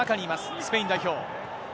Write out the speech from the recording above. スペイン代表。